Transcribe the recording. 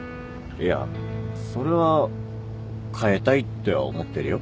いやそれは変えたいって思ってるよ